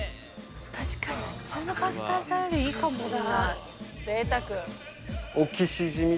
確かに普通のパスタ屋さんよりいいかもしれない。